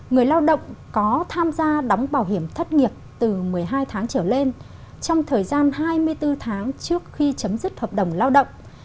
người lao động có tham gia đóng bảo hiểm thất nghiệp từ một mươi hai tháng trở lên trong thời gian hai mươi bốn tháng trước khi chấm dứt hợp đồng lao động